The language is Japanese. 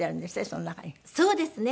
そうですね。